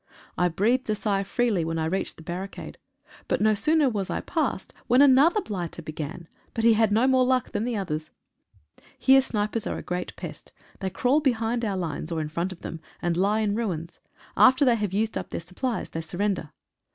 I breathed a sigh freely when I reached the barricade, but no sooner was I past when another blighter began — but he had no more luck than the others. Here snipers are a great pest. They crawl behind our lines, or in front of them, and lie in ruins. After they have used up their supplies they surrender.